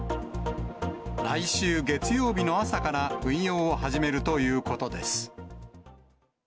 来週月曜日の朝から運用を始めるということです。